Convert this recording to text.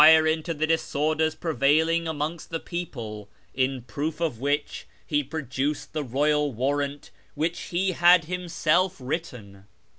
400 A YEAR AMONGST THE PERSIANS into the disorders prevailing amongst the people, in proof of which he produced the royal warrant which he had himself written.